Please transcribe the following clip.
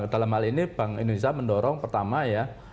dalam hal ini bank indonesia mendorong pertama ya